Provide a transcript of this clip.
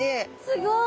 すごい！